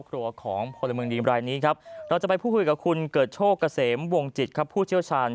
เราจะไปพูดคุยกับคุณเกิดโชคเกษมวงจิตครับผู้เชี่ยวชาญ